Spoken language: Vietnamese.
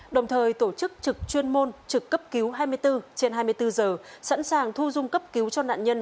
đồng thời tổ chức trực chuyên môn trực cấp cứu hai mươi bốn trên hai mươi bốn giờ sẵn sàng thu dung cấp cứu cho nạn nhân